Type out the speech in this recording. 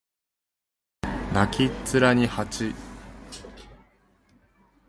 泣きっ面に蜂